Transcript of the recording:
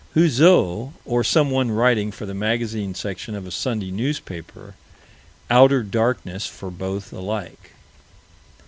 Houzeau or someone writing for the magazine section of a Sunday newspaper outer darkness for both alike.